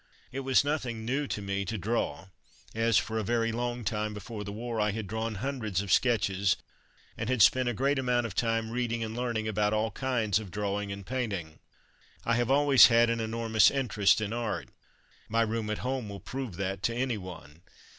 It was nothing new to me to draw, as for a very long time before the war I had drawn hundreds of sketches, and had spent a great amount of time reading and learning about all kinds of drawing and painting. I have always had an enormous interest in Art; my room at home will prove that to anyone.